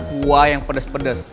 kuah yang pedes pedes